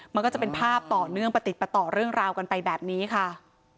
มันก็จะเป็นภาพต่อเนื่องประติดประต่อเรื่องราวกันไปแบบนี้ค่ะ